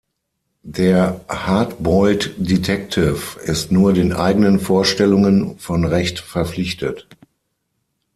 Der "Hardboiled Detective" ist nur den eigenen Vorstellungen von Recht verpflichtet.